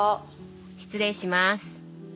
失礼します。